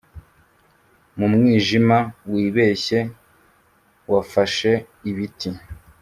mumwijima wibeshye wafashe ibiti.